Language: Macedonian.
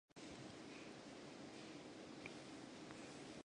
Коронавирусот претставува смртоносна закана за горилите